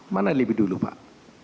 mana lebih dulu pak